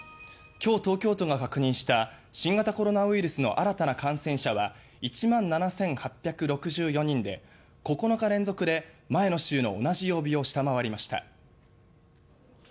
今日、東京都が確認した新型コロナウイルスの新たな感染者は１万７８６４人で９日連続で前の週の同じ曜日を下回りました。